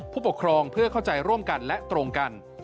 ผู้ปกครองเพื่อเข้าใจร่วมกันและตรงกัน